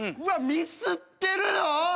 ミスってる！